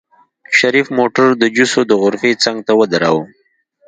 شريف موټر د جوسو د غرفې څنګ ته ودروه.